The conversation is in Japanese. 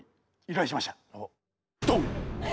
ドン！